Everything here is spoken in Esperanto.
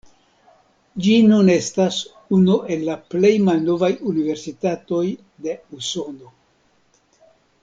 Ĝi nun estas unu el la plej malnovaj universitatoj de Usono.